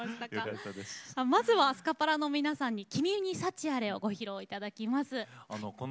まずスカパラの皆さんには「君にサチアレ」をご披露いただきます。